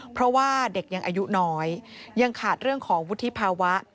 เพราะว่าเด็กยังอายุน้อยยังขาดเรื่องของวุฒิภาวะ